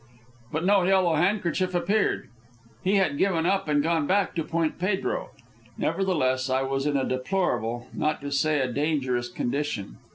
But no Yellow Handkerchief appeared. He had given up and gone back to Point Pedro. Nevertheless, I was in a deplorable, not to say a dangerous, condition.